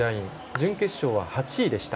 準決勝は８位でした。